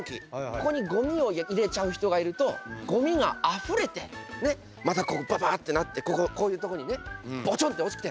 ここにごみを入れちゃう人がいるとごみがあふれてまたここババッてなってこういうとこにねポチョンと落ちてどうする？